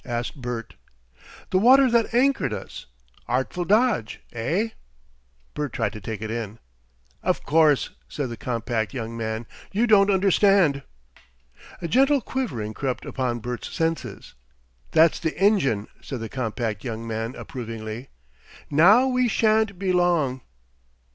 asked Bert. "The water that anchored us. Artful dodge. Eh?" Bert tried to take it in. "Of course!" said the compact young man. "You don't understand." A gentle quivering crept upon Bert's senses. "That's the engine," said the compact young man approvingly. "Now we shan't be long."